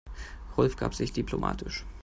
Rolf gab sich diplomatisch.